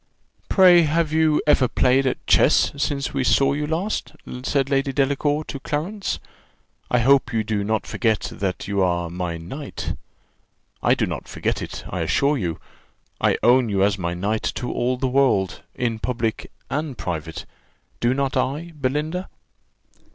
"Pray, have you ever played at chess, since we saw you last?" said Lady Delacour to Clarence. "I hope you do not forget that you are my knight. I do not forget it, I assure you I own you as my knight to all the world, in public and private do not I, Belinda?"